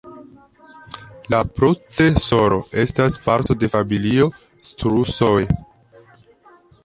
La procesoro estas parto de familio Crusoe.